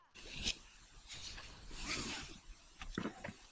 嘉靖四年担任广东惠州府知府。